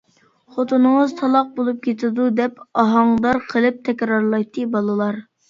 خوتۇنىڭىز تالاق بولۇپ كېتىدۇ-دەپ ئاھاڭدار قىلىپ تەكرارلايتتى بالىلار.